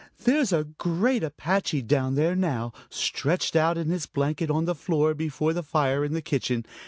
There's a great Apache down there now, stretched out in his blanket on the floor, before the fire in the kitchen.